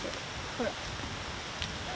ほら。